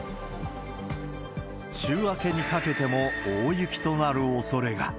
週明けにかけても大雪となるおそれが。